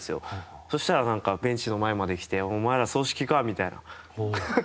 そしたら何かベンチの前まで来てお前ら葬式か！